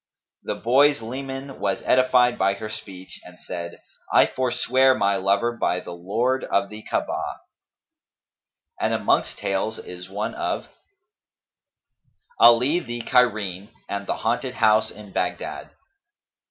The boy's leman was edified by her speech and said, 'I forswear my lover by the lord of the Ka'abah!'" And amongst tales is one of ALI THE CAIRENE AND THE HAUNTED HOUSE IN BAGHDAD.